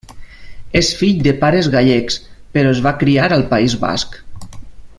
És fill de pares gallecs, però es va criar al País Basc.